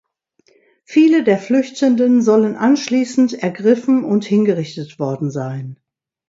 Viele der Flüchtenden sollen anschließend ergriffen und hingerichtet worden sein.